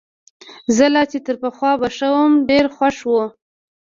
زه لا چي تر پخوا به ښه وم، ډېر خوښ وو.